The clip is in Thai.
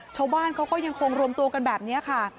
ชาวบ้านเขาก็ยังคงรวมตัวกันแบบนี้ค่ะ